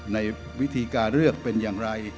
ในวิธีการเลือกเป็นอย่างไร